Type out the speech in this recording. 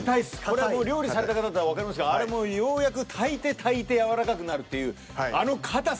これもう料理された方だったらわかりますがあれもうようやく炊いて炊いてやわらかくなるっていうあのかたさ。